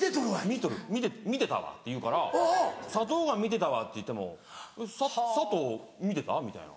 「みてたわ」って言うから「砂糖がみてたわ」って言っても「ササトウ見てた？」みたいな。